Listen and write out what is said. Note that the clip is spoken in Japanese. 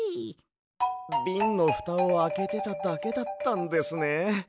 ビンのふたをあけてただけだったんですね。